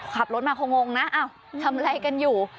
ขับรถมาคงงงนะทำอะไรอยู่